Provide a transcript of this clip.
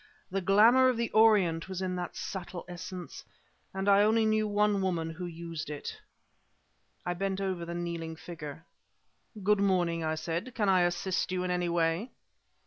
The glamour of the Orient was in that subtle essence; and I only knew one woman who used it. I bent over the kneeling figure. "Good morning," I said; "can I assist you in any way?"